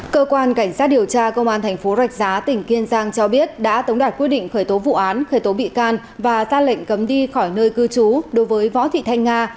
cơ quan cảnh sát điều tra công an thành phố rạch giá tỉnh kiên giang cho biết đã tống đạt quyết định khởi tố vụ án khởi tố bị can và ra lệnh cấm đi khỏi nơi cư trú đối với võ thị thanh nga